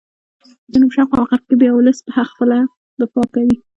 په جنوب شرق او غرب کې بیا ولس په خپله دفاع کوي.